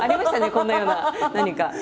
こんなような何か。